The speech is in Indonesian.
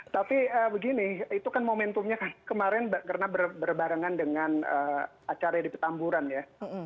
tapi begini itu kan momentumnya kan kemarin karena berbarengan dengan acara di petamburan ya